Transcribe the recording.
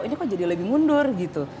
ini kok jadi lebih mundur gitu